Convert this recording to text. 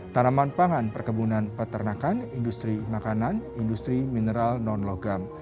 tanaman pangan perkebunan peternakan industri makanan industri mineral non logam